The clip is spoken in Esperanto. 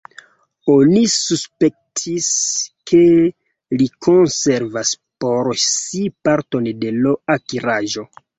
Oni suspektis, ke li konservas por si parton de l' akiraĵo.